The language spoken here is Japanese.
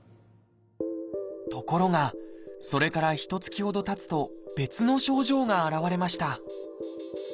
ところがそれからひとつきほどたつと別の症状が現れました。